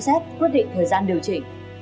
xem xét quyết định thời gian điều trị